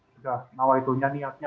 sudah nawaitunya niatnya